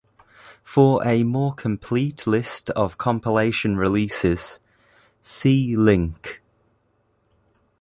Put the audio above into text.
For a more complete list of compilation releases, see link.